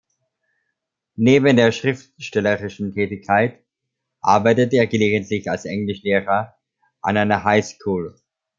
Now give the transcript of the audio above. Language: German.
Neben der schriftstellerischen Tätigkeit arbeitet er gelegentlich als Englischlehrer an einer High School.